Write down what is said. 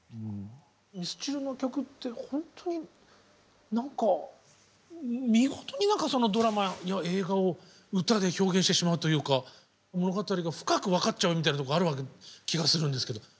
ミスチルの曲って本当に何か見事に何かドラマや映画を歌で表現してしまうというか物語が深く分かっちゃうみたいなところある気がするんですけど。